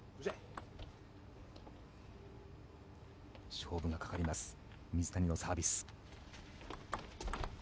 勝負がかかります水谷のサービス。